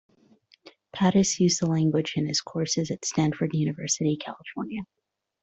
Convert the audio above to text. Pattis used the language in his courses at Stanford University, California.